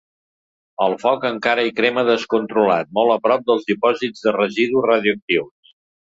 El foc encara hi crema descontrolat, molt a prop dels dipòsits de residus radioactius.